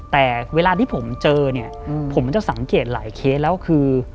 แต่เวลาที่ผมเจอเนี่ยผมจะสังเกตหลายเคสแล้วคือ